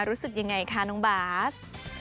รู้สึกยังไงคะน้องบาส